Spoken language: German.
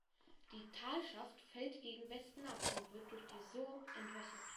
Die Talschaft fällt gegen Westen ab und wird durch die Surb entwässert.